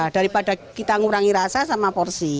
daripada kita mengurangi rasa sama porsi